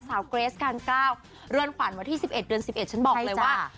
เกรสการ๙เรือนขวัญวันที่๑๑เดือน๑๑ฉันบอกเลยว่า